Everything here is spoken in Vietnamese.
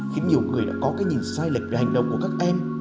khiến nhiều người đã có cái nhìn sai lệch về hành động của các em